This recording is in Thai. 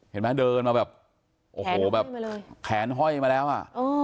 เห็นมั้ยเดินมาแบบแขนห้อยมาเลยแขนห้อยมาแล้วอ่ะ